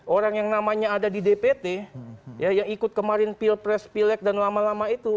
orang yang namanya ada di dpt yang ikut kemarin pilpres pilek dan lama lama itu